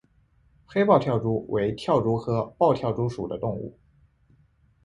黑豹跳蛛为跳蛛科豹跳蛛属的动物。